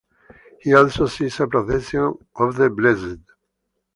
He also sees a procession of the blessed.